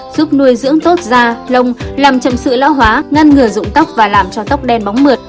giúp nuôi dưỡng tốt da lông làm trầm sự lão hóa ngăn ngừa dụng tóc và làm cho tóc đen bóng mượt